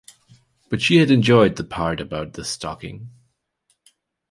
But she had enjoyed the part about the stocking!